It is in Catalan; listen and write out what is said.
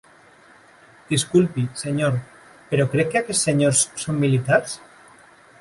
Disculpi, senyor, però crec que aquests senyors són militars?